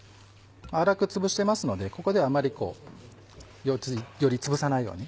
粗くつぶしてますのでここではあまりよりつぶさないように。